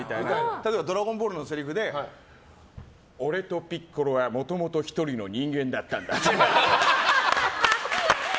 例えば「ドラゴンボール」のせりふで俺とピッコロはもともと１人の人間だったんだ。